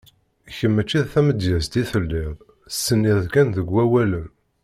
Kemm mačči d tamedyazt i telliḍ, tsenniḍ kan deg wawalen.